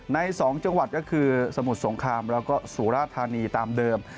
ใน๒จังหวัดก็คือสมุทรสงครามแล้วก็สุราธานีตามเดิม